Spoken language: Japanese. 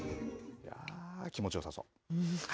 気持ちよさそう。